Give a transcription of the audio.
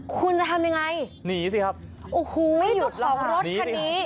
คุณจะทำอย่างไรโห้คุณรถคันนี้